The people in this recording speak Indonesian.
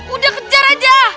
udah kejar aja